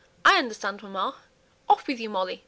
I understand, mamma. Off with you, Molly.